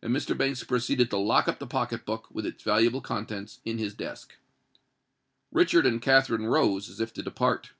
And Mr. Banks proceeded to lock up the pocket book, with its valuable contents, in his desk. Richard and Katherine rose, as if to depart.